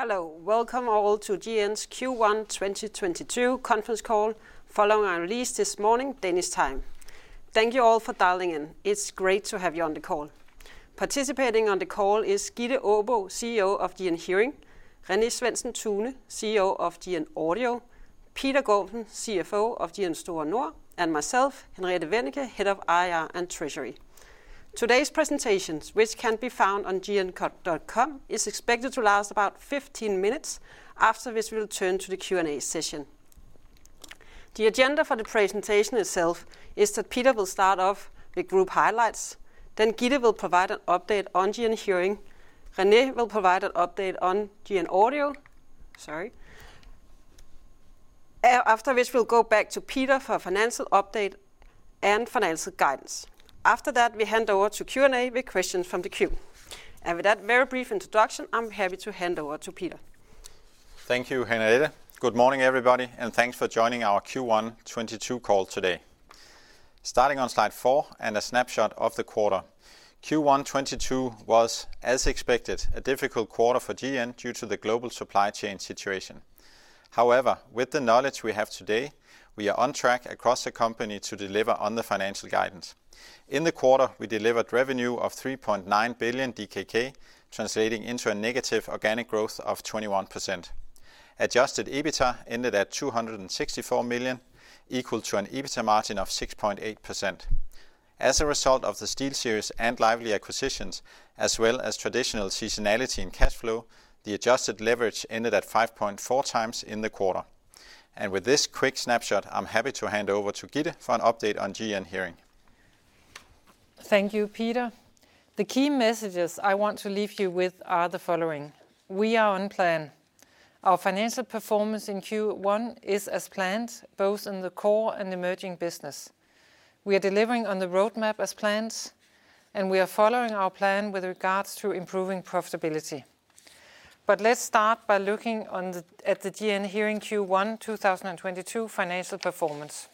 Hello. Welcome all to GN's Q1 2022 conference call following our release this morning Danish time. Thank you all for dialing in. It's great to have you on the call. Participating on the call is Gitte Aabo, CEO of GN Hearing, René Svendsen-Tune, CEO of GN Audio, Peter la Cour Gormsen, CFO of GN Store Nord, and myself, Henriette Wennicke, Head of IR and Treasury. Today's presentations, which can be found on gn.com, is expected to last about 15 minutes. After this, we will turn to the Q&A session. The agenda for the presentation itself is that Peter will start off with group highlights, then Gitte will provide an update on GN Hearing. René will provide an update on GN Audio. After which we'll go back to Peter for a financial update and financial guidance. After that, we hand over to Q&A with questions from the queue. With that very brief introduction, I'm happy to hand over to Peter. Thank you, Henriette. Good morning, everybody, and thanks for joining our Q1 2022 call today. Starting on slide 4 and a snapshot of the. Q1 2022 was, as expected, a difficult quarter for GN due to the global supply chain situation. However, with the knowledge we have today, we are on track across the company to deliver on the financial guidance. In the quarter, we delivered revenue of 3.9 billion DKK, translating into a negative organic growth of 21%. Adjusted EBITDA ended at 264 million, equal to an EBITDA margin of 6.8%. As a result of the SteelSeries and Lively acquisitions, as well as traditional seasonality in cash flow, the adjusted leverage ended at 5.4 times in the quarter. With this quick snapshot, I'm happy to hand over to Gitte for an update on GN Hearing. Thank you, Peter. The key messages I want to leave you with are the following. We are on plan. Our financial performance in Q1 is as planned, both in the core and emerging business. We are delivering on the roadmap as planned, and we are following our plan with regards to improving profitability. Let's start by looking at the GN Hearing Q1 2022 financial performance.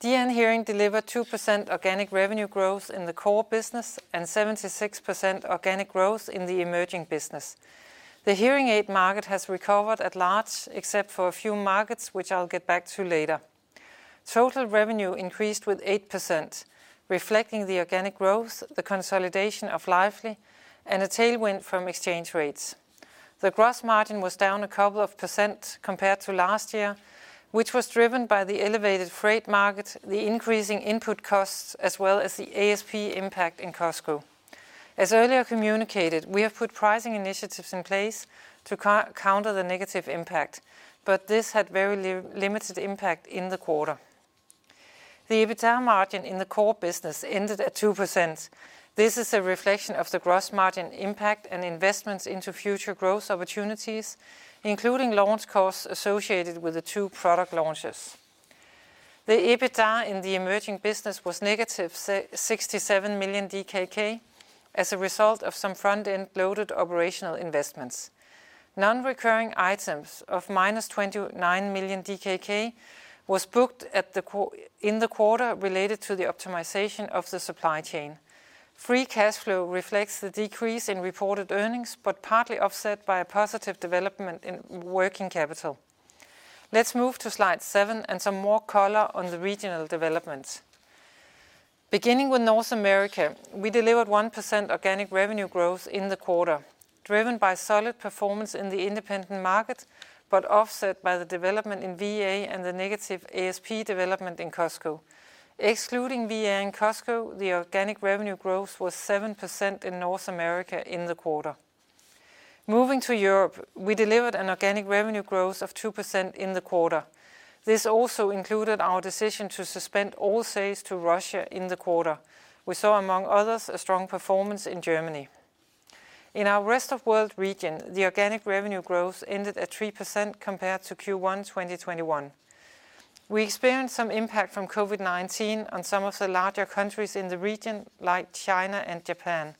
GN Hearing delivered 2% organic revenue growth in the core business and 76% organic growth in the emerging business. The hearing aid market has recovered at large, except for a few markets, which I'll get back to later. Total revenue increased with 8%, reflecting the organic growth, the consolidation of Lively, and a tailwind from exchange rates. The gross margin was down a couple of % compared to last, which was driven by the elevated freight market, the increasing input costs, as well as the ASP impact in Costco. As earlier communicated, we have put pricing initiatives in place to counter the negative impact, but this had very limited impact in the quarter. The EBITDA margin in the core business ended at 2%. This is a reflection of the gross margin impact and investments into future growth opportunities, including launch costs associated with the two product launches. The EBITDA in the emerging business was -67 million DKK as a result of some front-end loaded operational investments. Non-recurring items of -29 million DKK was booked in the quarter related to the optimization of the supply chain. Free cash flow reflects the decrease in reported earnings, but partly offset by a positive development in working capital. Let's move to slide 7 and some more color on the regional developments. Beginning with North America, we delivered 1% organic revenue growth in the quarter, driven by solid performance in the independent market, but offset by the development in VA and the negative ASP development in Costco. Excluding VA and Costco, the organic revenue growth was 7% in North America in the quarter. Moving to Europe, we delivered an organic revenue growth of 2% in the quarter. This also included our decision to suspend all sales to Russia in the quarter. We saw, among others, a strong performance in Germany. In our rest of world region, the organic revenue growth ended at 3% compared to Q1 2021. We experienced some impact from COVID-19 on some of the larger countries in the region, like China and Japan.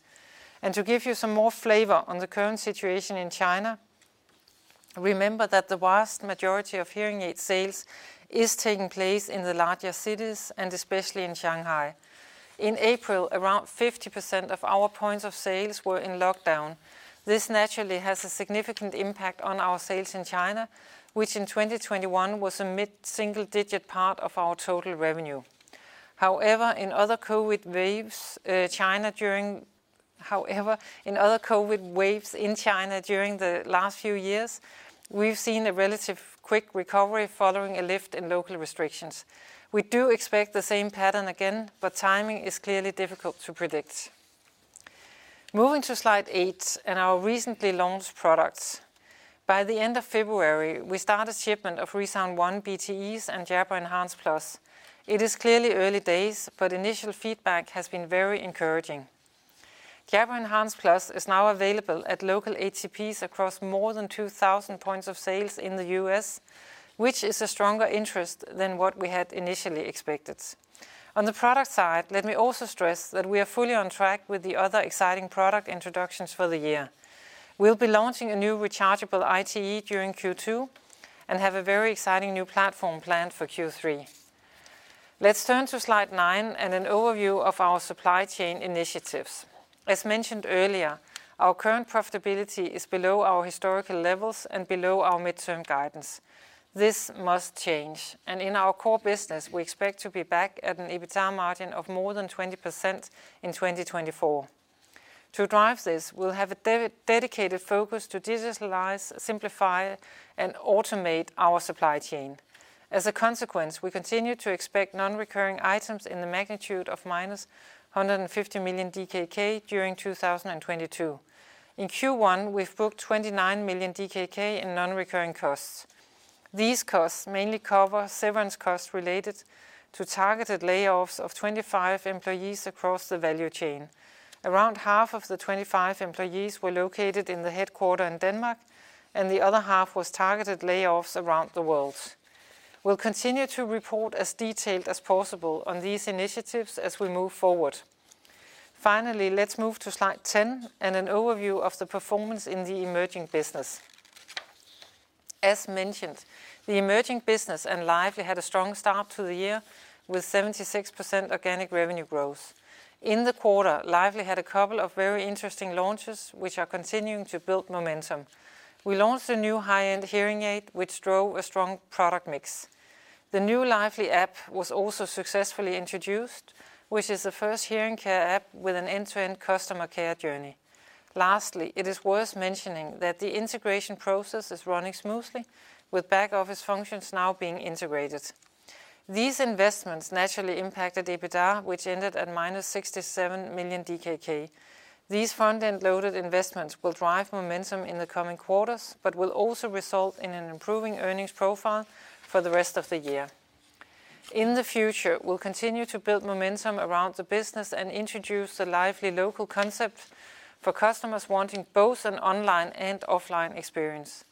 To give you some more flavor on the current situation in China, remember that the vast majority of hearing aid sales is taking place in the larger cities, and especially in Shanghai. In April, around 50% of our points of sales were in lockdown. This naturally has a significant impact on our sales in China, which in 2021 was a mid-single digit part of our total revenue. However, in other COVID waves in China during the last few years, we've seen a relative quick recovery following a lift in local restrictions. We do expect the same pattern again, but timing is clearly difficult to predict. Moving to slide eight and our recently launched products. By the end of February, we started shipment of ReSound ONE BTEs and Jabra Enhance Plus. It is clearly early days, but initial feedback has been very encouraging. Jabra Enhance Plus is now available at local HCPs across more than 2,000 points of sales in the U.S., which is a stronger interest than what we had initially expected. On the product side, let me also stress that we are fully on track with the other exciting product introductions for the year. We'll be launching a new rechargeable ITE during Q2 and have a very exciting new platform planned for Q3. Let's turn to slide nine and an overview of our supply chain initiatives. As mentioned earlier, our current profitability is below our historical levels and below our midterm guidance. This must change, and in our core business, we expect to be back at an EBITDA margin of more than 20% in 2024. To drive this, we'll have a dedicated focus to digitalize, simplify, and automate our supply chain. As a consequence, we continue to expect non-recurring items in the magnitude of -150 million DKK during 2022. In Q1, we've booked 29 million DKK in non-recurring costs. These costs mainly cover severance costs related to targeted layoffs of 25 employees across the value chain. Around half of the 25 employees were located in the headquarters in Denmark, and the other half was targeted layoffs around the world. We'll continue to report as detailed as possible on these initiatives as we move forward. Finally, let's move to slide 10 and an overview of the performance in the emerging business. As mentioned, the emerging business and Lively had a strong start to the year with 76% organic revenue growth. In the quarter, Lively had a couple of very interesting launches, which are continuing to build momentum. We launched a new high-end hearing aid, which drove a strong product mix. The new Lively app was also successfully introduced, which is the first hearing care app with an end-to-end customer care journey. Lastly, it is worth mentioning that the integration process is running smoothly with back-office functions now being integrated. These investments naturally impacted EBITDA, which ended at -67 million DKK. These front-end loaded investments will drive momentum in the coming quarters, but will also result in an improving earnings profile for the rest of the year. In the future, we'll continue to build momentum around the business and introduce the Lively Local concept for customers wanting both an online and offline experience.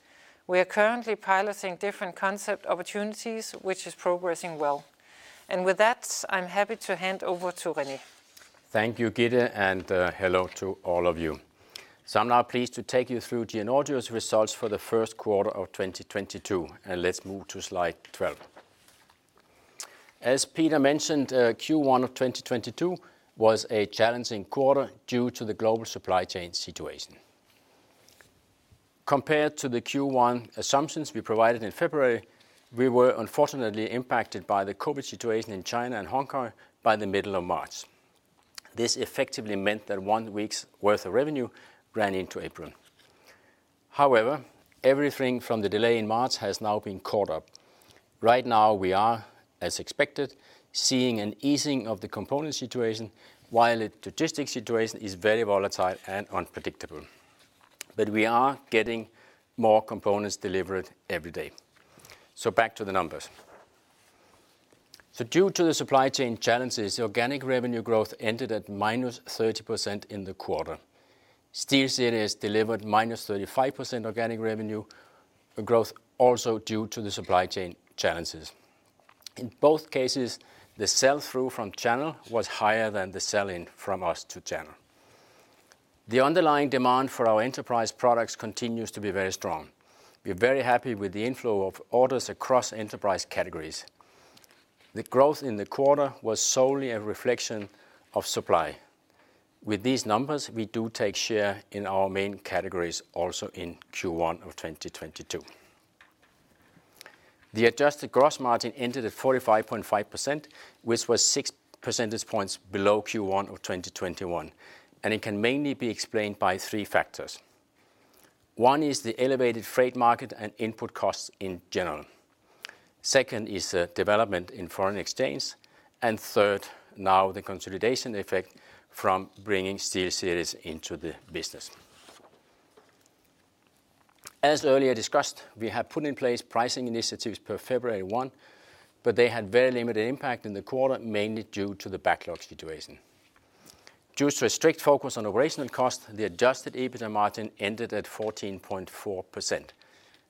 We are currently piloting different concept opportunities, which is progressing well. With that, I'm happy to hand over to René. Thank you, Gitte, and hello to all of you. I'm now pleased to take you through GN Audio's results for the first quarter of 2022. Let's move to slide 12. As Peter mentioned, Q1 of 2022 was a challenging quarter due to the global supply chain situation. Compared to the Q1 assumptions we provided in February, we were unfortunately impacted by the COVID situation in China and Hong Kong by the middle of March. This effectively meant that one week's worth of revenue ran into April. However, everything from the delay in March has now been caught up. Right now, we are, as expected, seeing an easing of the component situation while the logistics situation is very volatile and unpredictable. We are getting more components delivered every day. Back to the numbers. Due to the supply chain challenges, organic revenue growth ended at -30% in the quarter. SteelSeries delivered -35% organic revenue growth also due to the supply chain challenges. In both cases, the sell-through from channel was higher than the sell-in from us to channel. The underlying demand for our enterprise products continues to be very strong. We're very happy with the inflow of orders across enterprise categories. The growth in the quarter was solely a reflection of supply. With these numbers, we do take share in our main categories also in Q1 of 2022. The adjusted gross margin ended at 45.5%, which was six percentage points below Q1 of 2021, and it can mainly be explained by three factors. One is the elevated freight market and input costs in general. Second is, development in foreign exchange. Third, now the consolidation effect from bringing SteelSeries into the business. As earlier discussed, we have put in place pricing initiatives per February 1, but they had very limited impact in the quarter, mainly due to the backlog situation. Due to a strict focus on operational cost, the adjusted EBITDA margin ended at 14.4%.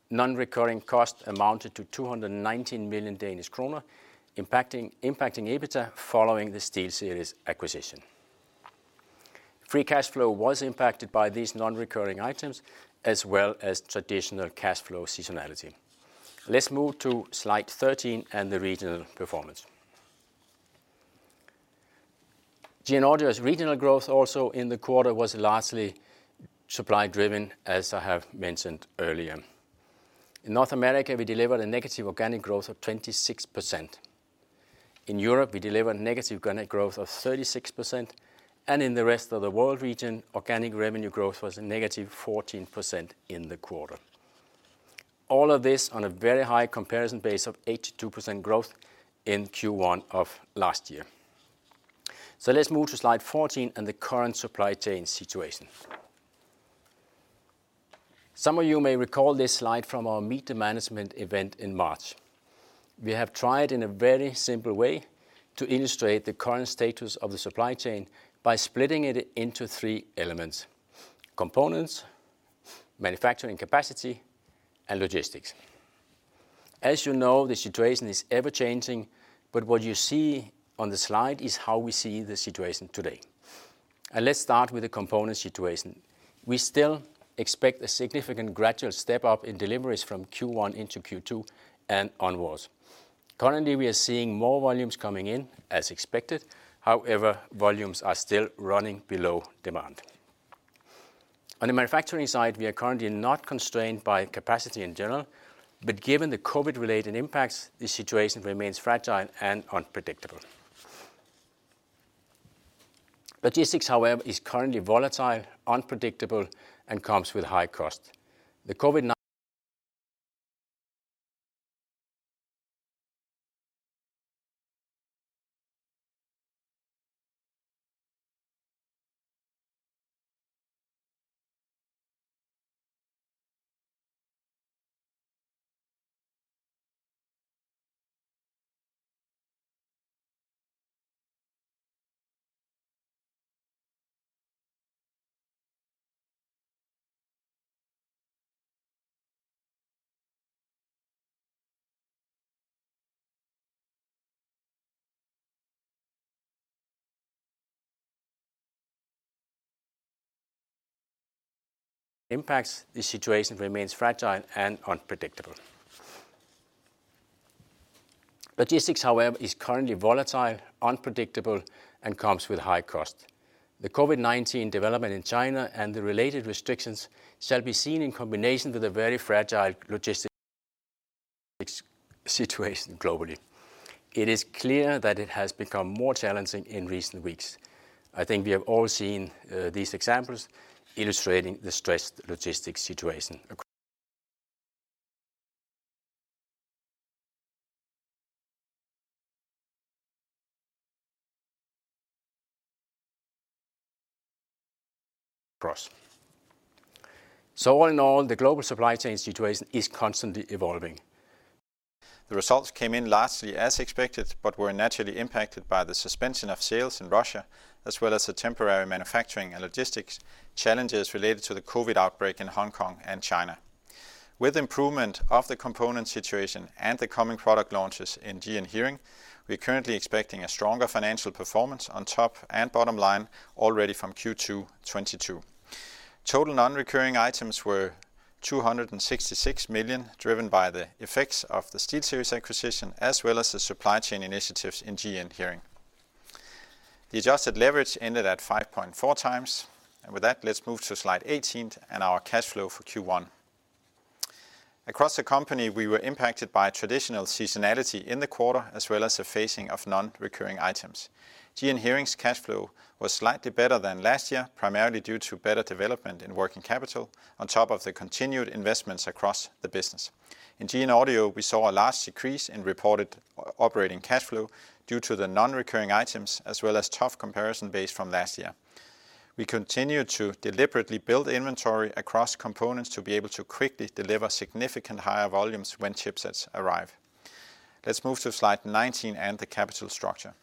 Non-recurring cost amounted to 219 million Danish kroner, impacting EBITDA following the SteelSeries acquisition. Free cash flow was impacted by these non-recurring items as well as traditional cash flow seasonality. Let's move to slide 13 and the regional performance. GN Audio's regional growth also in the quarter was largely supply-driven, as I have mentioned earlier. In North America, we delivered a negative organic growth of 26%. In Europe, we delivered negative organic growth of 36%, and in the rest of the world region, organic revenue growth was a negative 14% in the quarter. All of this on a very high comparison base of 82% growth in Q1 of last year. Let's move to slide 14 and the current supply chain situation. Some of you may recall this slide from our Meet the Management event in March. We have tried in a very simple way to illustrate the current status of the supply chain by splitting it into three elements: components, manufacturing capacity, and logistics. As you know, the situation is ever-changing, but what you see on the slide is how we see the situation today. Let's start with the component situation. We still expect a significant gradual step-up in deliveries from Q1 into Q2 and onwards. Currently, we are seeing more volumes coming in as expected. However, volumes are still running below demand. On the manufacturing side, we are currently not constrained by capacity in general, but given the COVID-related impacts, the situation remains fragile and unpredictable. Logistics, however, is currently volatile, unpredictable, and comes with high cost. The COVID-19 development in China and the related restrictions shall be seen in combination with a very fragile logistics situation globally. It is clear that it has become more challenging in recent weeks. I think we have all seen these examples illustrating the stressed logistics situation across. All in all, the global supply chain situation is constantly evolving. The results came in largely as expected, but were naturally impacted by the suspension of sales in Russia, as well as the temporary manufacturing and logistics challenges related to the COVID outbreak in Hong Kong and China. With improvement of the component situation and the coming product launches in GN Hearing, we're currently expecting a stronger financial performance on top and bottom line already from Q2 2022. Total non-recurring items were 266 million, driven by the effects of the SteelSeries acquisition, as well as the supply chain initiatives in GN Hearing. The adjusted leverage ended at 5.4 times. With that, let's move to slide 18 and our cash flow for Q1. Across the company, we were impacted by traditional seasonality in the quarter, as well as the phasing of non-recurring items. GN Hearing's cash flow was slightly better than last year, primarily due to better development in working capital on top of the continued investments across the business. In GN Audio, we saw a large decrease in reported operating cash flow due to the non-recurring items, as well as tough comparison base from last year. We continue to deliberately build inventory across components to be able to quickly deliver significant higher volumes when chipsets arrive. Let's move to slide 19 and the capital structure.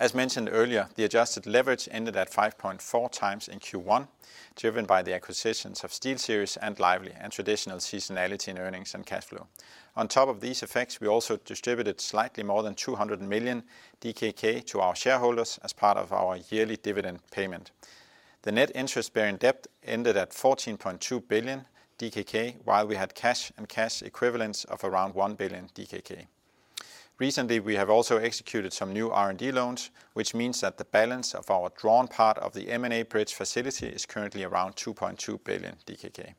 As mentioned earlier, the adjusted leverage ended at 5.4x in Q1, driven by the acquisitions of SteelSeries and Lively and traditional seasonality in earnings and cash flow. On top of these effects, we also distributed slightly more than 200 million DKK to our shareholders as part of our yearly dividend payment. The net interest-bearing debt ended at 14.2 billion DKK, while we had cash and cash equivalents of around 1 billion DKK. Recently, we have also executed some new RCF loans, which means that the balance of our drawn part of the M&A bridge facility is currently around 2.2 billion DKK.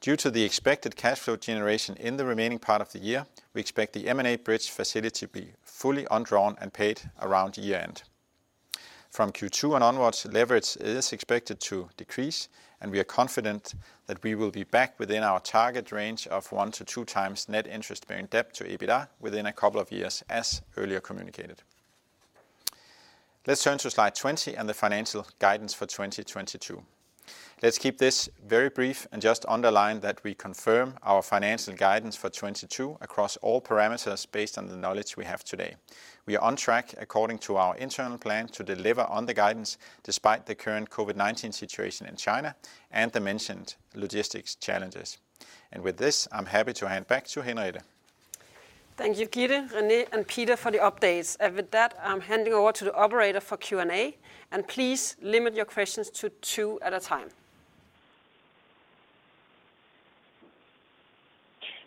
Due to the expected cash flow generation in the remaining part of the year, we expect the M&A bridge facility to be fully undrawn and paid around year-end. From Q2 and onwards, leverage is expected to decrease, and we are confident that we will be back within our target range of 1-2x net interest-bearing debt to EBITDA within a couple of years, as earlier communicated. Let's turn to slide 20 and the financial guidance for 2022. Let's keep this very brief and just underline that we confirm our financial guidance for 2022 across all parameters based on the knowledge we have today. We are on track according to our internal plan to deliver on the guidance despite the current COVID-19 situation in China and the mentioned logistics challenges. With this, I'm happy to hand back to Henriette. Thank you, Gitte, René, and Peter for the updates. With that, I'm handing over to the operator for Q&A. Please limit your questions to two at a time.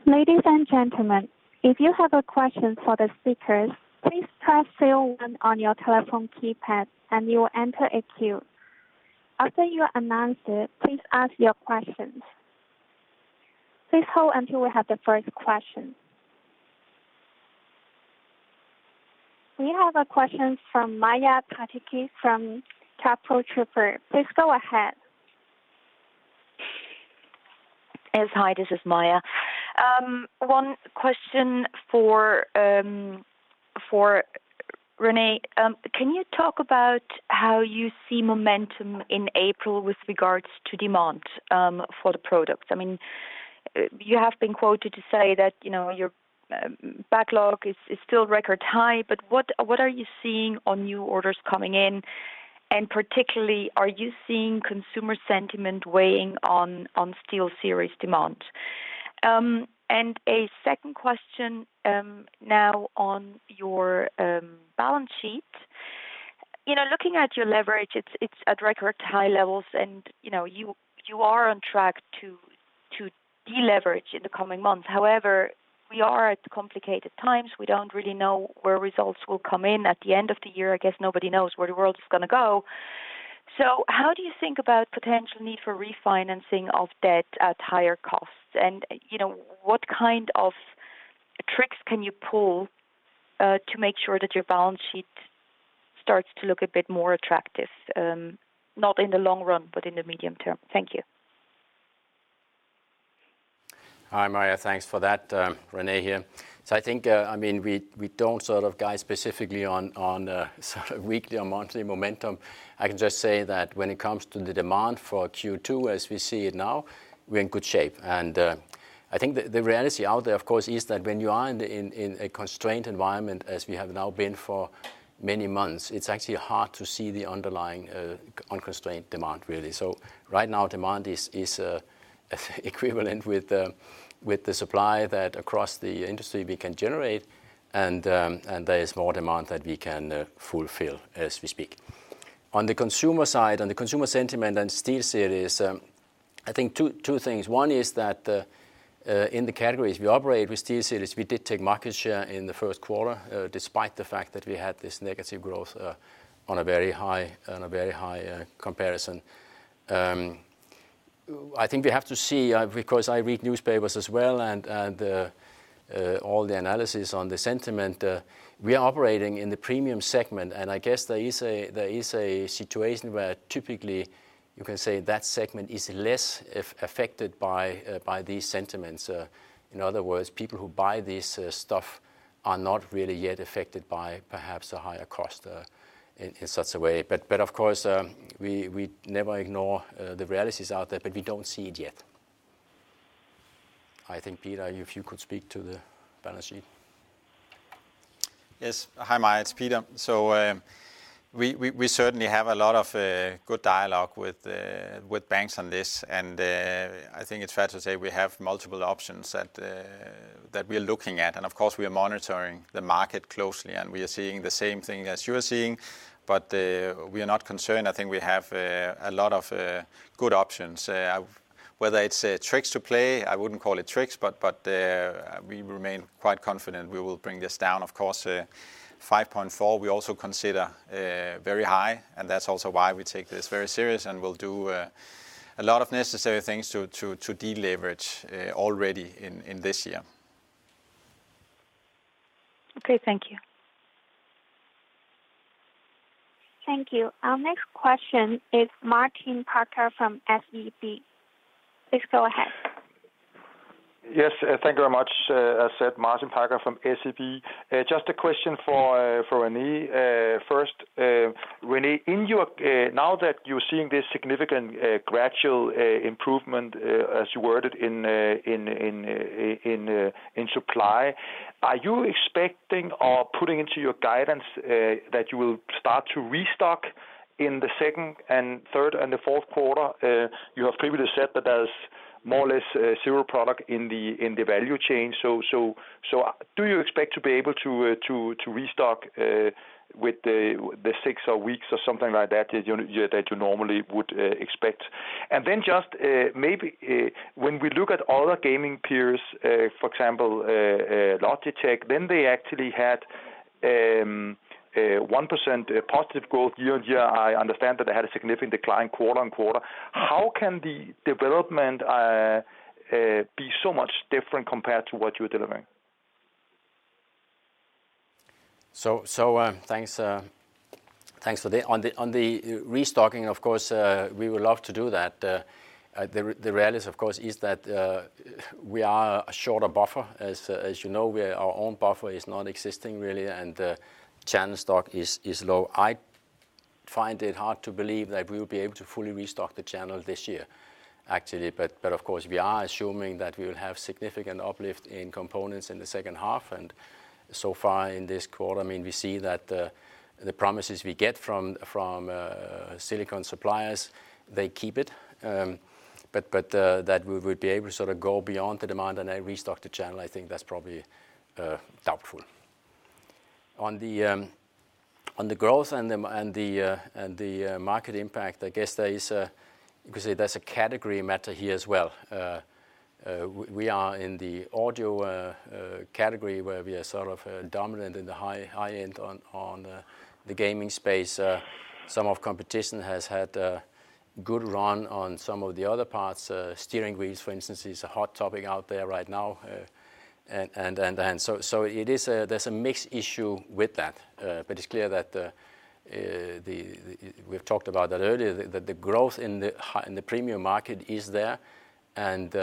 Ladies and gentlemen, if you have a question for the speakers, please press zero one on your telephone keypad and you will enter a queue. After you are announced, please ask your question. Please hold until we have the first question. We have a question from Maja Pataki from Kepler Cheuvreux. Please go ahead. Yes. Hi, this is Maja. One question for René. Can you talk about how you see momentum in April with regards to demand for the products? I mean, you have been quoted to say that, you know, your backlog is still record high, but what are you seeing on new orders coming in? Particularly, are you seeing consumer sentiment weighing on SteelSeries demand? A second question, now on your balance sheet. You know, looking at your leverage, it's at record high levels and, you know, you are on track to deleverage in the coming months. However, we are at complicated times. We don't really know where results will come in at the end of the year. I guess nobody knows where the world is gonna go. How do you think about potential need for refinancing of debt at higher costs? You know, what kind of tricks can you pull to make sure that your balance sheet starts to look a bit more attractive, not in the long run, but in the medium term? Thank you. Hi, Maja. Thanks for that. René here. I think, I mean, we don't sort of guide specifically on sort of weekly or monthly momentum. I can just say that when it comes to the demand for Q2, as we see it now, we're in good shape. I think the reality out there, of course, is that when you are in a constrained environment as we have now been for many months, it's actually hard to see the underlying unconstrained demand, really. Right now, demand is equivalent with the supply that across the industry we can generate and there is more demand that we can fulfill as we speak. On the consumer side, on the consumer sentiment and SteelSeries, I think two things. One is that in the categories we operate with SteelSeries, we did take market share in the Q1, despite the fact that we had this negative growth on a very high comparison. I think we have to see because I read newspapers as well and all the analysis on the sentiment. We are operating in the premium segment, and I guess there is a situation where typically you can say that segment is less affected by these sentiments. In other words, people who buy this stuff are not really yet affected by perhaps a higher cost in such a way. Of course, we never ignore the realities out there, but we don't see it yet. I think, Peter, if you could speak to the balance sheet. Yes. Hi, Maja, it's Peter. We certainly have a lot of good dialogue with banks on this. I think it's fair to say we have multiple options that we're looking at. Of course, we are monitoring the market closely, and we are seeing the same thing as you are seeing. We are not concerned. I think we have a lot of good options. Whether it's tricks to play, I wouldn't call it tricks, but we remain quite confident we will bring this down. Of course, 5.4 we also consider very high, and that's also why we take this very serious and we'll do a lot of necessary things to deleverage already in this year. Okay, thank you. Thank you. Our next question is Martin Parkhøi from SEB. Please go ahead. Yes. Thank you very much. As said, Martin Parkhøi from SEB. Just a question for René. First, René, now that you're seeing this significant gradual improvement, as you worded in supply, are you expecting or putting into your guidance that you will start to restock in the second and third and the Q4? You have previously said that there's more or less zero product in the value chain. So, do you expect to be able to restock with the six weeks or something like that that you normally would expect? When we look at other gaming peers, for example, Logitech, then they actually had a 1% positive growth year-on-year. I understand that they had a significant decline quarter-on-quarter. How can the development be so much different compared to what you're delivering? On the restocking, of course, we would love to do that. The reality, of course, is that we have a shorter buffer. As you know, our own buffer is non-existent really, and channel stock is low. I find it hard to believe that we will be able to fully restock the channel this year, actually. Of course, we are assuming that we will have significant uplift in components in the second half. So far in this quarter, I mean, we see that the promises we get from silicon suppliers, they keep it. But that we would be able to sort of go beyond the demand and then restock the channel, I think that's probably doubtful. On the growth and the market impact, I guess you could say there's a category matter here as well. We are in the audio category where we are sort of dominant in the high end on the gaming space. Some of the competition has had a good run on some of the other parts. Steering wheels, for instance, is a hot topic out there right now. There's a mixed issue with that. It's clear that we've talked about that earlier, that the growth in the premium market is there and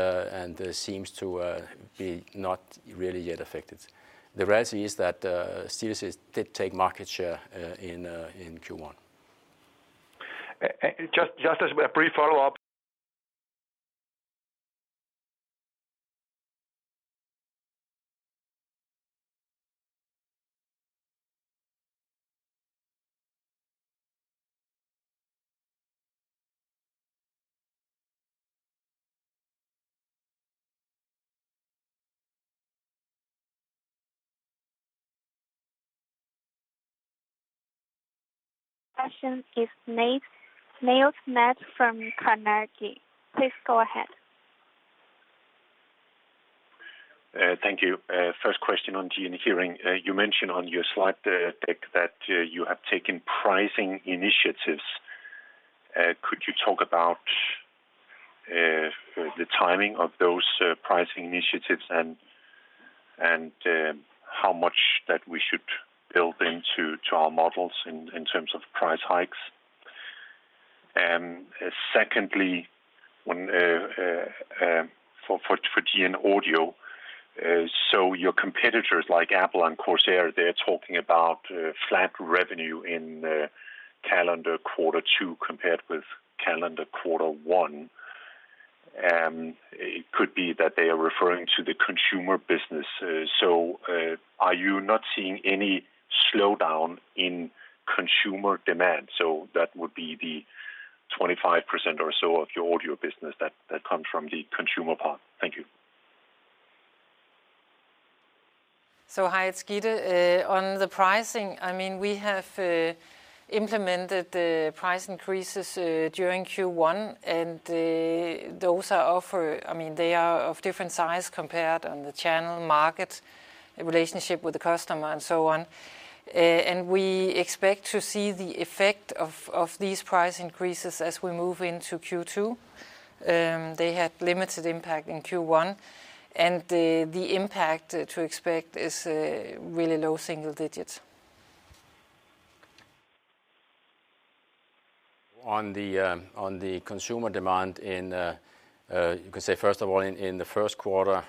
seems to be not really yet affected. The rest is that SteelSeries did take market share in Q1. Just as a brief follow-up. Question is Niels Granholm-Leth from Carnegie. Please go ahead. Thank you. First question on GN Hearing. You mentioned on your slide deck that you have taken pricing initiatives. Could you talk about the timing of those pricing initiatives and how much that we should build into our models in terms of price hikes? Secondly, for GN Audio, so your competitors like Apple and Corsair, they're talking about flat revenue in calendar quarter two compared with calendar quarter one. It could be that they are referring to the consumer business. Are you not seeing any slowdown in consumer demand? That would be the 25% or so of your audio business that comes from the consumer part. Thank you. Hi, it's Gitte. On the pricing, I mean, we have implemented the price increases during Q1, and they are of different size depending on the channel market relationship with the customer and so on. We expect to see the effect of these price increases as we move into Q2. They had limited impact in Q1, and the impact to expect is really low single digits. On the consumer demand, you could say, first of all, in the Q1,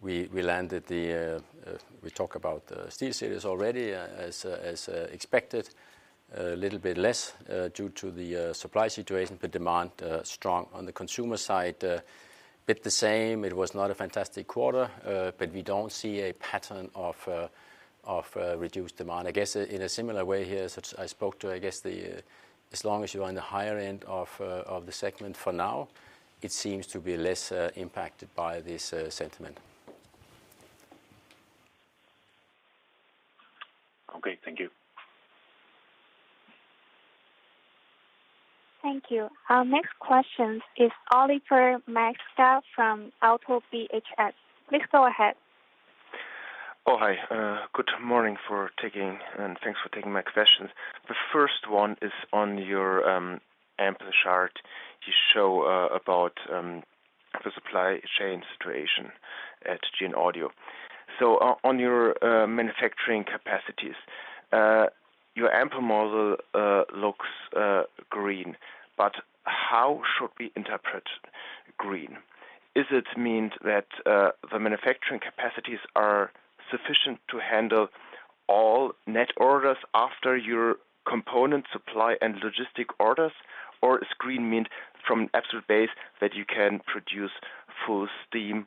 we talk about the SteelSeries already as expected, a little bit less due to the supply situation, but demand strong. On the consumer side, a bit the same. It was not a fantastic quarter, but we don't see a pattern of reduced demand. I guess in a similar way here, as long as you are on the higher end of the segment for now, it seems to be less impacted by this sentiment. Okay. Thank you. Thank you. Our next question is Oliver Metzger from ODDO BHF. Please go ahead. Oh, hi. Good morning, and thanks for taking my questions. The first one is on your AMPLE chart you show about the supply chain situation at GN Audio. On your manufacturing capacities, your AMPLE model looks green, but how should we interpret green? Is it means that the manufacturing capacities are sufficient to handle all net orders after your component supply and logistic orders? Or is green mean from absolute base that you can produce full steam?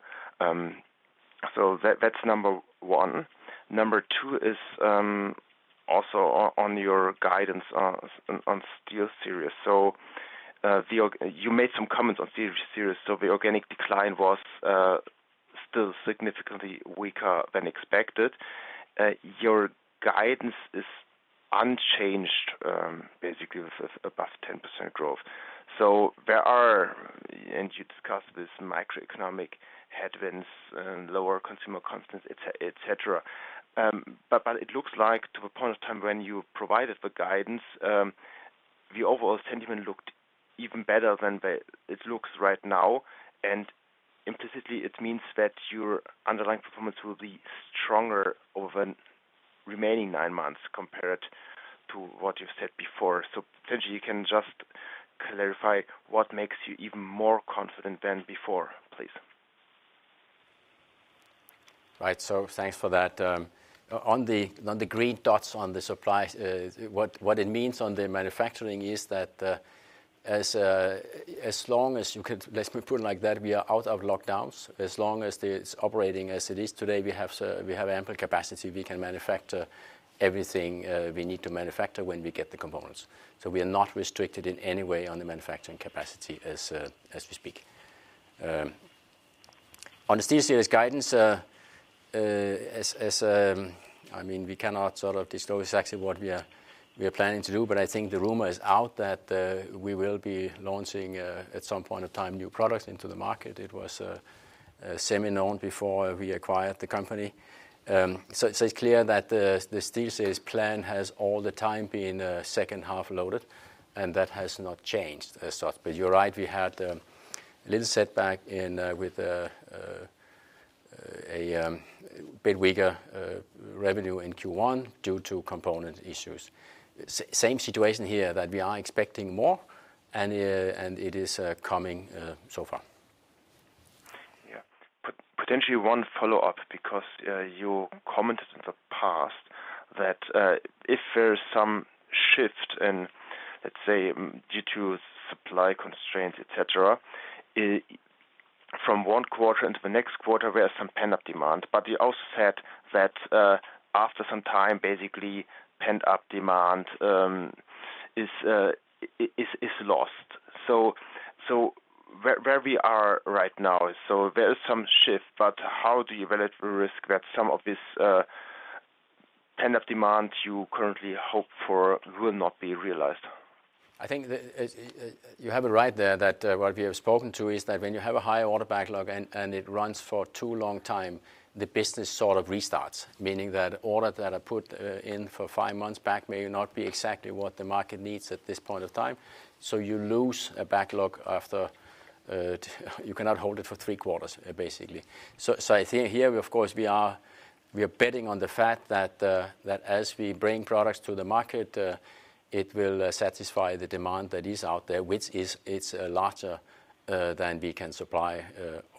That's number one. Number two is also on your guidance on SteelSeries. You made some comments on SteelSeries. The organic decline was still significantly weaker than expected. Your guidance is unchanged, basically with above 10% growth. There are, and you discussed this, macroeconomic headwinds and lower consumer confidence, et cetera. But it looks like to a point in time when you provided the guidance, the overall sentiment looked even better than it looks right now. Implicitly, it means that your underlying performance will be stronger over remaining nine months compared to what you've said before. Potentially you can just clarify what makes you even more confident than before, please. Right. Thanks for that. On the green dots on the supply, what it means on the manufacturing is that we are out of lockdowns. As long as it's operating as it is today, we have ample capacity. We can manufacture everything we need to manufacture when we get the components. We are not restricted in any way on the manufacturing capacity as we speak. On the SteelSeries guidance, I mean, we cannot sort of disclose exactly what we are planning to do, but I think the rumor is out that we will be launching at some point of time new products into the market. It was semi-known before we acquired the company. It's clear that the SteelSeries plan has all the time been second half loaded, and that has not changed. You're right, we had a little setback with a bit weaker revenue in Q1 due to component issues. Same situation here that we are expecting more and it is coming so far. Yeah. Potentially one follow-up because you commented in the past that if there's some shift in, let's say, due to supply constraints, et cetera. From one quarter into the next quarter, we have some pent-up demand. You also said that after some time, basically pent-up demand is lost. Where we are right now? There is some shift, but how do you evaluate the risk that some of this pent-up demand you currently hope for will not be realized? I think that you have it right there that what we have spoken to is that when you have a high order backlog and it runs for too long time, the business sort of restarts. Meaning that order that I put in for 5 months back may not be exactly what the market needs at this point of time, so you lose a backlog after you cannot hold it for Q3, basically. I think here, of course, we are betting on the fact that as we bring products to the market, it will satisfy the demand that is out there, which is, it's larger than we can supply,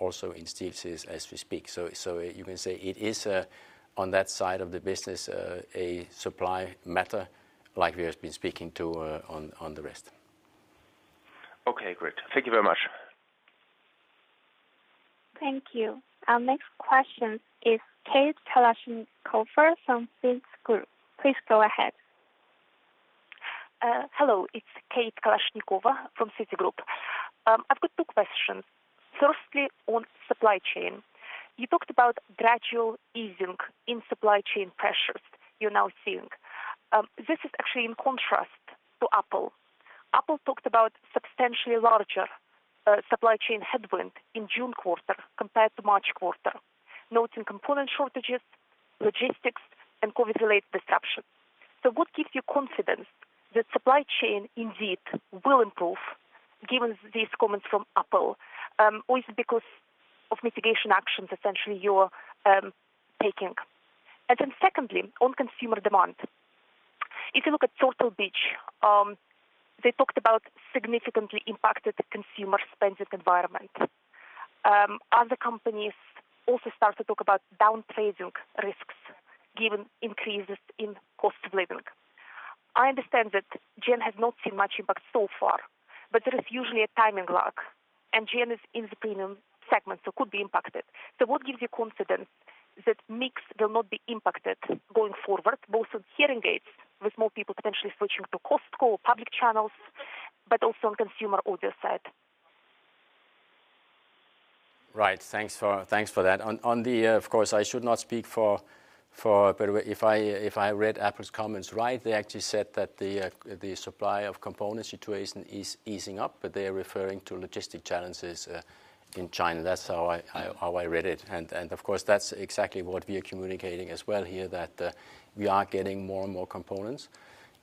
also in these as we speak. You can say it is on that side of the business, a supply matter like we have been speaking to, on the rest. Okay, great. Thank you very much. Thank you. Our next question is Kateryna Kalashnikova from Citigroup. Please go ahead. Hello, it's Kateryna Kalashnikova from Citigroup. I've got two questions. Firstly, on supply chain. You talked about gradual easing in supply chain pressures you're now seeing. This is actually in contrast to Apple. Apple talked about substantially larger supply chain headwind in June quarter compared to March quarter. Noting component shortages, logistics, and COVID-related disruption. What gives you confidence that supply chain indeed will improve given these comments from Apple? Or is it because of mitigation actions essentially, you're taking? Then secondly, on consumer demand. If you look at Turtle Beach, they talked about significantly impacted consumer spending environment. Other companies also start to talk about downtrading risks given increases in cost of living. I understand that GN has not seen much impact so far, but there is usually a timing lag, and GN is in the premium segment, so could be impacted. What gives you confidence that mix will not be impacted going forward, both on hearing aids, with more people potentially switching to Costco or public channels, but also on consumer audio side? Right. Thanks for that. Of course, I should not speak for... But if I read Apple's comments right, they actually said that the supply of component situation is easing up, but they are referring to logistics challenges in China. That's how I read it. Of course, that's exactly what we are communicating as well here, that we are getting more and more components.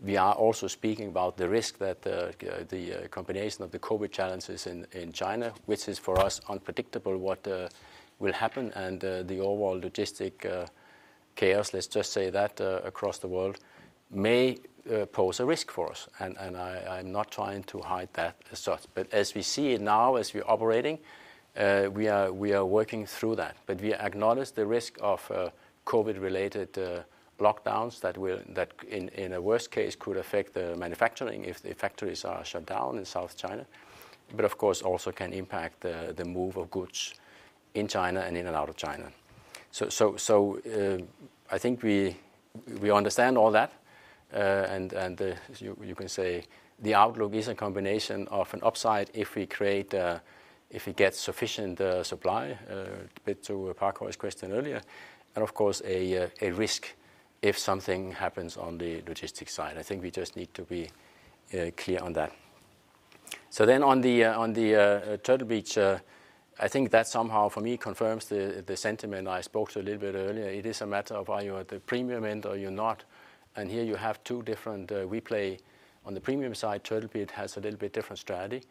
We are also speaking about the risk that the combination of the COVID challenges in China, which is for us unpredictable what will happen and the overall logistics chaos, let's just say that, across the world may pose a risk for us. I'm not trying to hide that as such. As we see it now, as we're operating, we are working through that. We acknowledge the risk of COVID-related lockdowns that in a worst case could affect the manufacturing if the factories are shut down in South China. Of course, also can impact the move of goods in China and in and out of China. I think we understand all that. You can say the outlook is a combination of an upside if we create, if we get sufficient supply, a bit to Parkhøi's question earlier, and of course a risk if something happens on the logistics side. I think we just need to be clear on that. On the Turtle Beach, I think that somehow for me confirms the sentiment I spoke to a little bit earlier. It is a matter of are you at the premium end or you're not. Here you have two different, we play on the premium side, Turtle Beach has a little bit different strategy.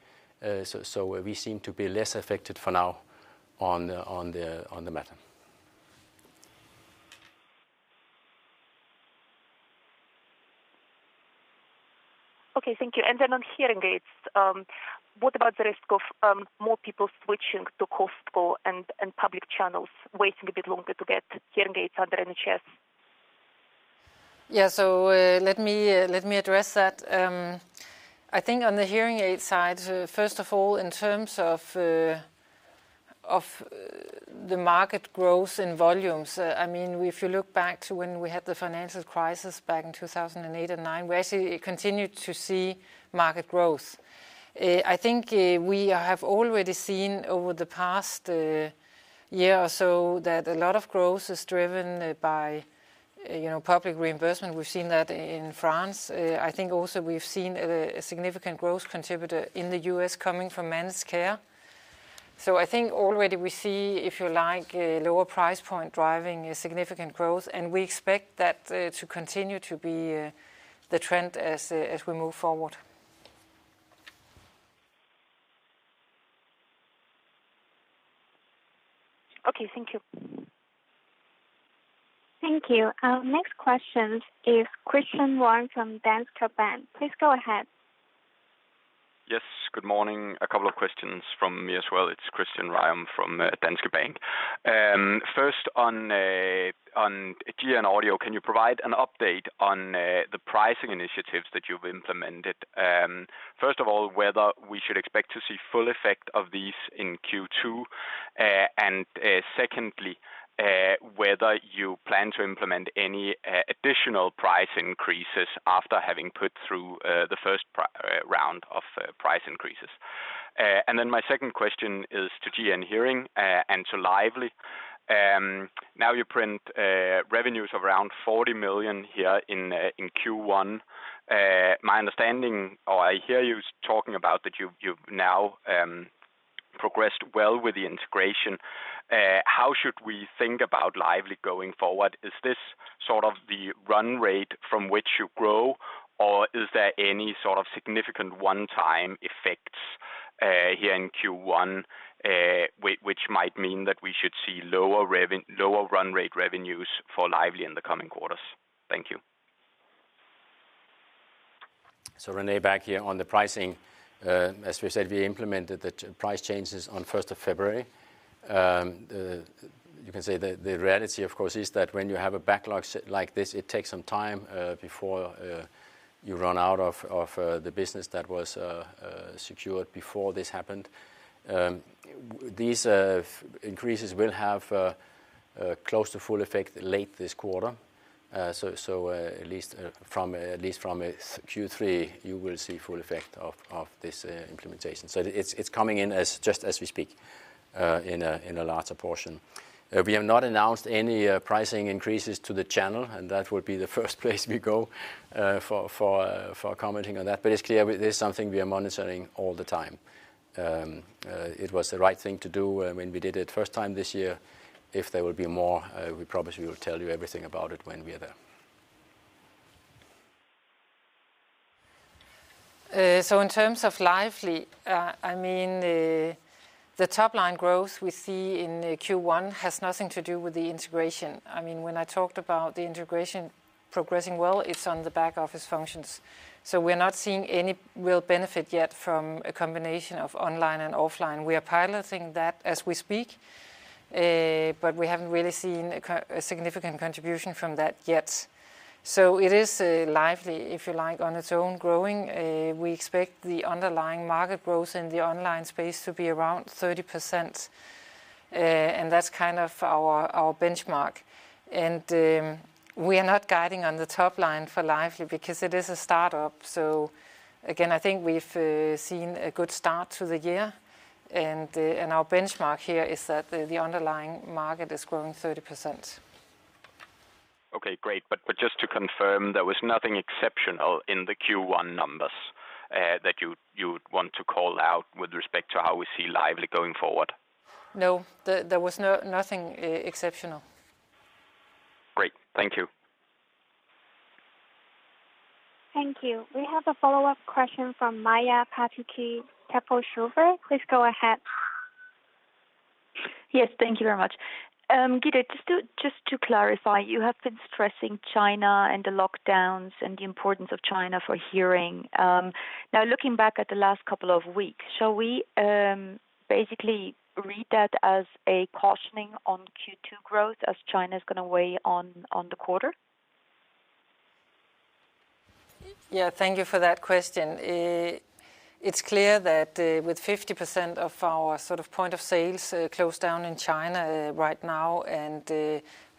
We seem to be less affected for now on the matter. Okay. Thank you. Then on hearing aids, what about the risk of more people switching to Costco and public channels, waiting a bit longer to get hearing aids under NHS? Yeah. Let me address that. I think on the hearing aid side, first of all, in terms of the market growth in volumes, I mean, if you look back to when we had the financial crisis back in 2008 and 2009, we actually continued to see market growth. I think we have already seen over the past year or so that a lot of growth is driven by, you know, public reimbursement. We've seen that in France. I think also we've seen a significant growth contributor in the U.S. coming from managed care. I think already we see, if you like, a lower price point driving a significant growth, and we expect that to continue to be the trend as we move forward. Okay. Thank you. Thank you. Our next question is Christian Ryom from Danske Bank. Please go ahead. Yes. Good morning. A couple of questions from me as well. It's Christian Ryom from Danske Bank. First on GN Audio, can you provide an update on the pricing initiatives that you've implemented? First of all, whether we should expect to see full effect of these in Q2 and secondly, whether you plan to implement any additional price increases after having put through the first round of price increases. My second question is to GN Hearing and to Lively. Now you report revenues of around 40 million here in Q1. My understanding or I hear you talking about that you've now progressed well with the integration. How should we think about Lively going forward? Is this sort of the run rate from which you grow, or is there any sort of significant one-time effects here in Q1, which might mean that we should see lower run rate revenues for Lively in the coming quarters? Thank you. René, back here on the pricing. As we said, we implemented the price changes on first of February. You can say the reality, of course, is that when you have a backlog like this, it takes some time before you run out of the business that was secured before this happened. These increases will have close to full effect late this quarter. At least from Q3, you will see full effect of this implementation. It's coming in just as we speak in a larger portion. We have not announced any pricing increases to the channel, and that would be the first place we go for commenting on that. It's clear it is something we are monitoring all the time. It was the right thing to do when we did it first time this year. If there will be more, we promise we will tell you everything about it when we are there. In terms of Lively, I mean, the top-line growth we see in Q1 has nothing to do with the integration. I mean, when I talked about the integration progressing well, it's on the back-office functions. We're not seeing any real benefit yet from a combination of online and offline. We are piloting that as we speak, but we haven't really seen a significant contribution from that yet. It is Lively, if you like, on its own growing. We expect the underlying market growth in the online space to be around 30%, and that's kind of our benchmark. We are not guiding on the top line for Lively because it is a startup. Again, I think we've seen a good start to the year, and our benchmark here is that the underlying market is growing 30%. Okay, great. Just to confirm, there was nothing exceptional in the Q1 numbers, that you'd want to call out with respect to how we see Lively going forward? No. There was nothing exceptional. Great. Thank you. Thank you. We have a follow-up question from Maja Pataki. Please go ahead. Yes, thank you very much. Gitte, just to clarify, you have been stressing China and the lockdowns and the importance of China for hearing. Now looking back at the last couple of weeks, shall we basically read that as a cautioning on Q2 growth as China is gonna weigh on the quarter? Yeah, thank you for that question. It's clear that with 50% of our sort of point of sales closed down in China right now, and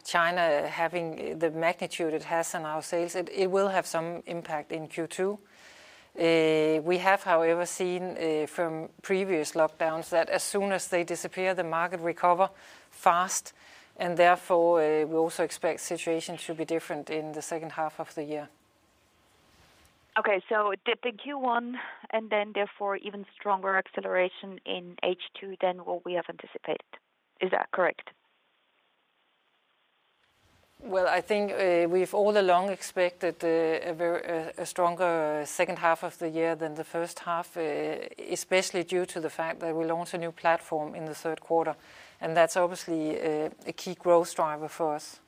China having the magnitude it has on our sales, it will have some impact in Q2. We have, however, seen from previous lockdowns that as soon as they disappear, the market recovers fast and therefore we also expect situation should be different in the second half of the year. Okay. The Q1 and then therefore even stronger acceleration in H2 than what we have anticipated. Is that correct? Well, I think we've all along expected a stronger second half of the year than the first half, especially due to the fact that we launched a new platform in the Q3, and that's obviously a key growth driver for us.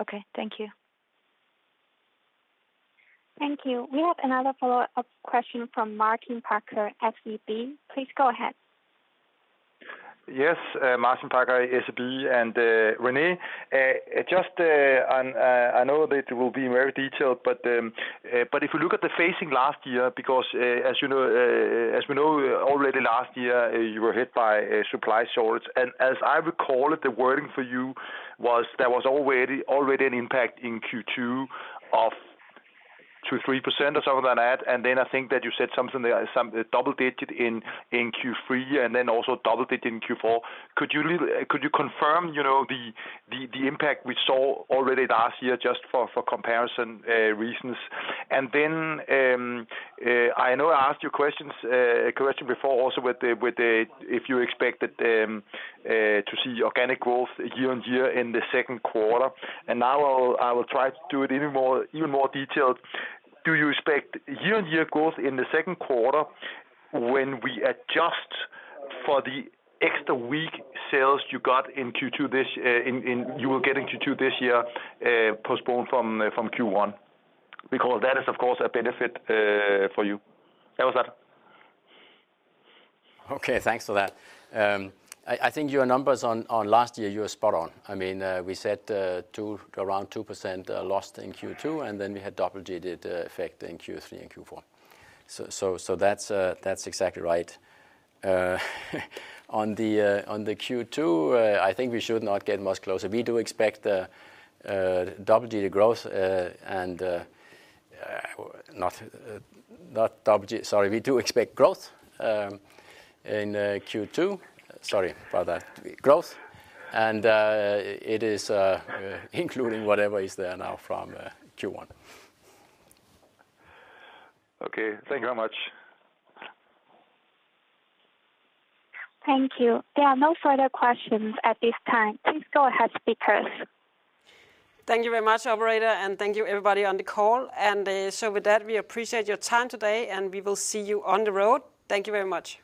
Okay. Thank you. Thank you. We have another follow-up question from Martin Parkhøi, SEB. Please go ahead. Yes. Martin Parkhøi, SEB. René, just, I know that it will be very detailed, but if you look at the phasing last year, because as you know, as we know already last year, you were hit by a supply shortage. As I recall it, the wording for you was there was already an impact in Q2 of 2, 3% or something like that. Then I think that you said something there, some double-digit in Q3 and then also double-digit in Q4. Could you confirm, you know, the impact we saw already last year just for comparison reasons? I know I asked you a question before also with the if you expected to see organic growth year-on-year in the Q2, and now I will try to do it even more detailed. Do you expect year-on-year growth in the Q2 when we adjust for the extra week sales you got in Q2 this year postponed from Q1? Because that is of course a benefit for you. How was that? Okay. Thanks for that. I think your numbers on last year you were spot on. I mean, we said around 2% lost in Q2, and then we had double-digit effect in Q3 and Q4. That's exactly right. On the Q2, I think we should not get much closer. We do expect growth in Q2. Sorry about that. Growth and it is including whatever is there now from Q1. Okay. Thank you very much. Thank you. There are no further questions at this time. Please go ahead, speakers. Thank you very much, operator, and thank you everybody on the call. With that, we appreciate your time today, and we will see you on the road. Thank you very much.